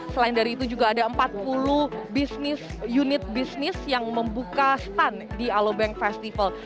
selain dari itu juga ada empat puluh unit bisnis yang membuka stand di alobank festival